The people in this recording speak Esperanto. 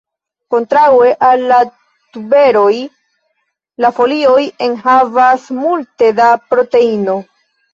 Kontraŭe al la tuberoj, la folioj enhavas multe da proteino.